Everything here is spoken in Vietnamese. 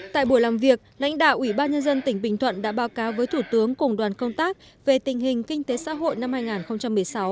tại buổi làm việc lãnh đạo ủy ban nhân dân tỉnh bình thuận đã báo cáo với thủ tướng cùng đoàn công tác về tình hình kinh tế xã hội năm hai nghìn một mươi sáu